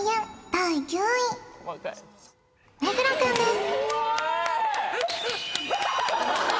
第９位目黒くんです